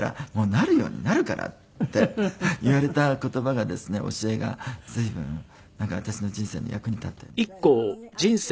なるようになるから」って言われた言葉がですね教えが随分私の人生の役に立ったような気がするんです。